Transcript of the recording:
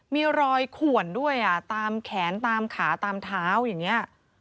มีรอยขวนด้วยอ่ะตามแขนตามขาตามเท้าอย่างนี้